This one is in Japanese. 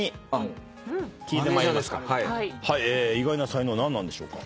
意外な才能何なんでしょうか？